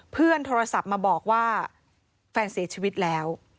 เพื่อนโทรศัพท์มาบอกว่าแฟนเสียชีวิตแล้ว